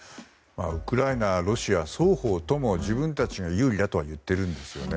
ウクライナ、ロシア双方とも自分たちが有利だとは言っているんですよね。